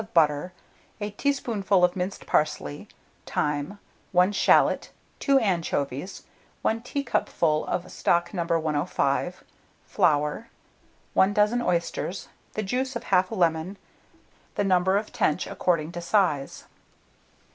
of butter, 1 teaspoonful of minced parsley, thyme, 1 shalot, 2 anchovies, 1 teacupful of stock No. 105, flour, 1 dozen oysters, the juice of 1/2 lemon; the number of tench, according to size.